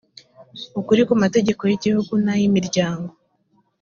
ukuri ku mateka y igihugu n ay imiryango